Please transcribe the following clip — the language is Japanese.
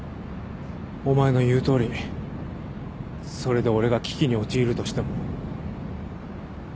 お前の言うとおりそれで俺が危機に陥るとしても？